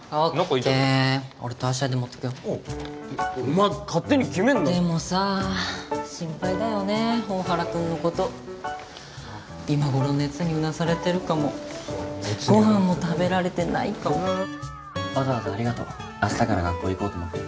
オッケ俺と芦屋で持ってくよお前勝手に決めんなでもさ心配だよね大原君のこと今頃熱にうなされてるかもご飯も食べられてないかもわざわざありがとう明日から学校行こうと思ってる